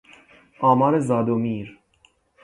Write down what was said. آمار زاد و میر